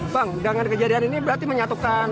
bang dengan kejadian ini berarti menyatukan